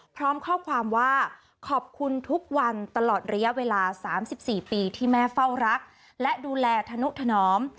พร้อมข้อความว่าขอบคุณทุกวันตลอดระยะเวลา๓๔ปีที่แม่เฝ้ารักและดูแลธนุถนอม